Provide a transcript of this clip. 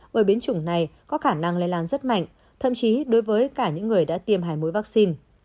bởi biến chủng này có khả năng lây lan rất mạnh thậm chí đối với cả những người đã tiêm hai mối vaccine